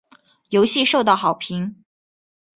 游戏收到好评。